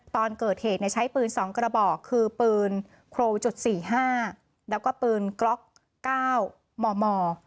ตอนเกิดเหตุใช้ปืน๒กระบอกคือปืนโครจุด๔๕แล้วก็ปืนกล็อก๙มม